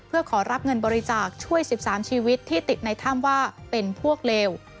เพื่อขอรับเงินบริจาคช่วย๑๓ชีวิตที่ติดในถ้ำว่าเป็นพวกเลว